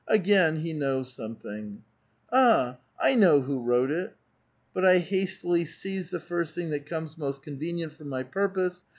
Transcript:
Again he knows something !" Ah ! I know who wrote it —" But I hastily seize the first thing that comes most conven ient for my purpose.